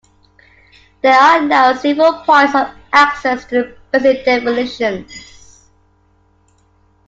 There are now several points of access to the basic definitions.